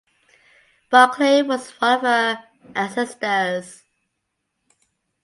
Barclay was one of her ancestors.